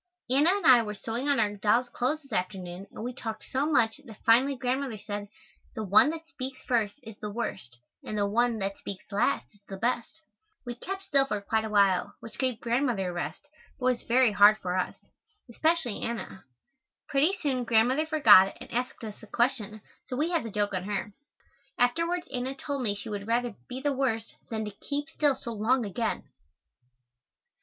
Anna and I were sewing on our dolls' clothes this afternoon and we talked so much that finally Grandmother said, "the one that speaks first is the worst; and the one that speaks last is the best." We kept still for quite a while, which gave Grandmother a rest, but was very hard for us, especially Anna. Pretty soon Grandmother forgot and asked us a question, so we had the joke on her. Afterwards Anna told me she would rather "be the worst," than to keep still so long again.